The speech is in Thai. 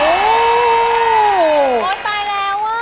โอ้ตายแล้วอะ